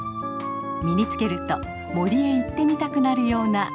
身につけると森へ行ってみたくなるような色とカタチです。